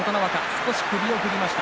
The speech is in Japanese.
少し首を振りました。